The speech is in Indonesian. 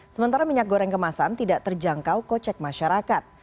sementara minyak goreng kemasan tidak terjangkau kocek masyarakat